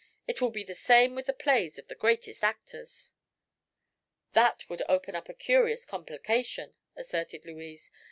It will be the same with the plays of the greatest actors." "That would open up a curious complication," asserted Louise.